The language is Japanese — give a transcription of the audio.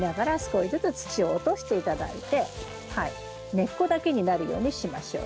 根っこだけになるようにしましょう。